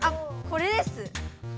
これです。